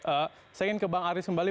saya ingin ke bang aris kembali